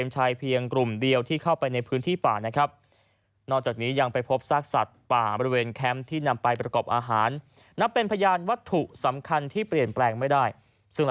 กลุ่มเดียวที่เข้าไปในพื้นที่ป่านะครับนอกจากนี้ยังไปพบซากสัตว์ป่าบริเวณแคมป์ที่นำไปประกอบอาหารนับเป็นพยานวัตถุสำคัญที่เปลี่ยนแปลงไม่ได้ซึ่ง